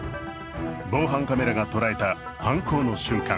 防犯カメラが捉えた犯行の瞬間。